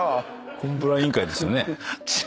コンプラ委員会ですよね？